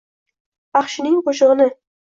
…Baxshining qo‘shig‘ini